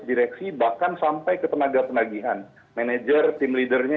direksi bahkan sampai ke tenaga tenagian manajer team leadernya